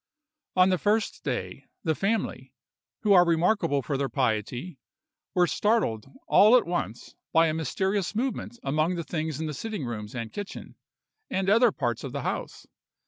On the first day, the family, who are remarkable for their piety, were startled all at once by a mysterious movement among the things in the sitting rooms and kitchen, and other parts of the house.